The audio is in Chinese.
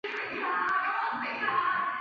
当政府官员盛世才率领的省军到达。